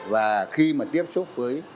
và khi mà tiếp xúc với